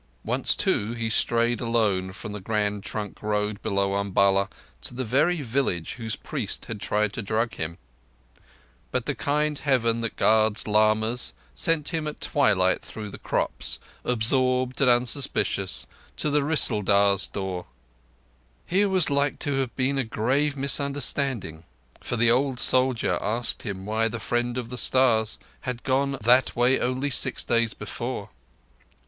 Once, too, he strayed alone from the Grand Trunk Road below Umballa to the very village whose priest had tried to drug him; but the kind Heaven that guards lamas sent him at twilight through the crops, absorbed and unsuspicious, to the Rissaldar's door. Here was like to have been a grave misunderstanding, for the old soldier asked him why the Friend of the Stars had gone that way only six days before.